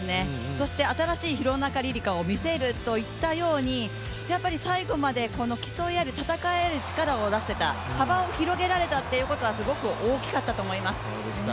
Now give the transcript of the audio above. そして新しい廣中璃梨佳を見せると言ったように最後まで競い合える、戦える力をつけていた、幅を広げられたっていうことはすごく大きかったと思います。